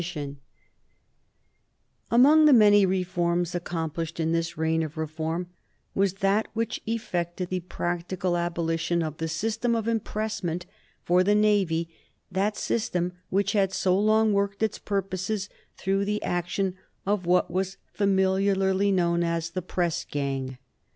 [Sidenote: 1831 The press gang] Among the many reforms accomplished in this reign of reform was that which effected the practical abolition of the system of impressment for the Navy, that system which had so long worked its purposes through the action of what was familiarly known as the press gang.